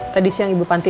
tadi siang ibu panti